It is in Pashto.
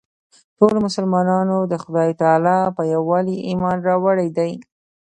ټولو مسلمانانو د خدای تعلی په یووالي ایمان راوړی دی.